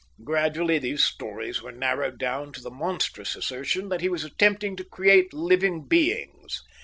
Gradually these stories were narrowed down to the monstrous assertion that he was attempting to create living beings.